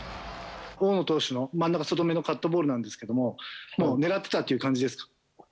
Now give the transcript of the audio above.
大野投手の真ん中、外めのカットボールなんですけど、狙ってたっていう感じですか？